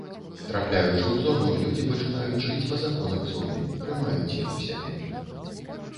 Трапляючы ў зону, людзі пачынаюць жыць па законах зоны, прымаюць іх у сябе.